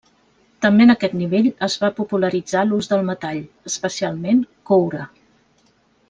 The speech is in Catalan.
També en aquest nivell es va popularitzar l'ús del metall, especialment coure.